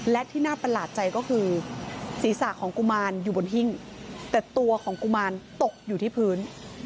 และที่น่าประหลาดใจก็คือศีรษะของกุมารอยู่บนหิ้งแต่ตัวของกุมารตกอยู่ที่พื้น